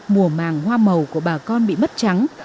mùa màng hoa màu của bà con bị mất trắng